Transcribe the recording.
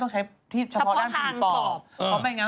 เชิญท่านมา